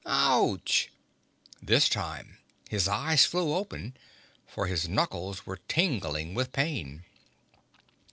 "Ouch!" This time his eyes flew wide open, for his knuckles were tingling with pain.